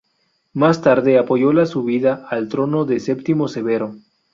Más tarde, apoyó la subida al trono de Septimio Severo.